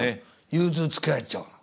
融通つけられちゃうの。